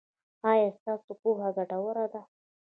ایا ستاسو پوهه ګټوره ده؟